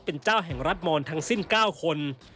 เป็นเจ้าแห่งรัฐมอนทั้งสิ้น๙คน